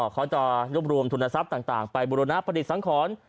เขาจะรวบรวมทุนทรัพย์ต่างไปบุรณปฏิสังขร